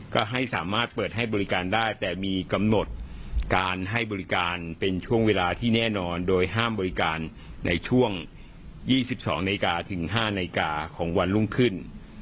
ก็ให้สามารถเปิดให้บริการได้แต่มีกำหนดการให้บริการเป็นช่วงเวลาที่แน่นอนโดยห้ามบริการในช่วง๒๒นาฬิกาถึง๕นาฬิกาของวันรุ่งขึ้น